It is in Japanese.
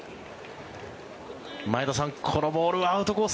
前田さん、このボールはアウトコース